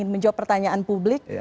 menjawab pertanyaan publik